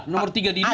nomor tiga di dunia